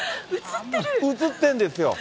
映ってるんですよ。